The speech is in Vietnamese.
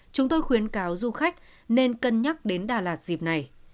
chúng tôi khuyến cáo du khách nên cân nhắc đến đà lạt dịp này